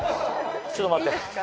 ちょっと待って。